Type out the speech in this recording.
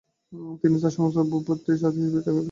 তিনি তার সমস্ত ভূসম্পত্তি জাতির সেবায় দিয়ে যান।